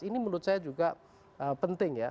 ini menurut saya juga penting ya